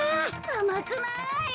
あまくない。